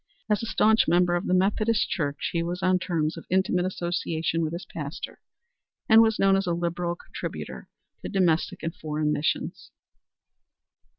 As a staunch member of the Methodist Church, he was on terms of intimate association with his pastor, and was known as a liberal contributor to domestic and foreign missions.